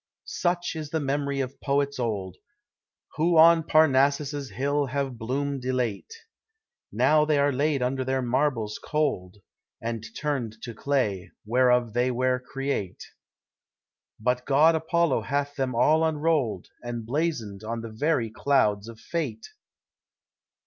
Such is the memory of poets old, Who on Parnassus' hill have bloom'd elate; Now they are laid under their marbles cold, And turned to clay, whereof they were create; But god Apollo hath them all enroll'd, And blazon'd on the very clouds of Fate!